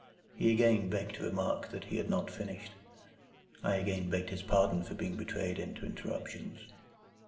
He again begged to remark that he had not finished. I again begged his pardon for being betrayed into interruptions.